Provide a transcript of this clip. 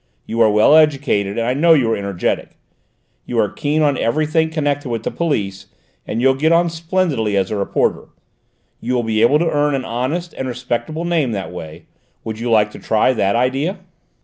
You are well educated, and I know you are energetic. You are keen on everything connected with the police, and you'll get on splendidly as a reporter. You will be able to earn an honest and respectable name that way. Would you like to try that idea?"